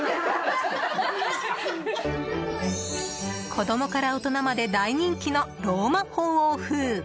子供から大人まで大人気のローマ法王風。